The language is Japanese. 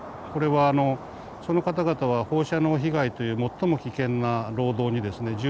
これはその方々は放射能被害という最も危険な労働にですね